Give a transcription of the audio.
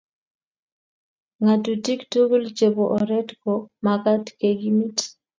ngatutik tugul chebo oret ko magat kekimit